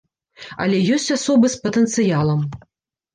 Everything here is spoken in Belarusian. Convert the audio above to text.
Але ёсць асобы з патэнцыялам.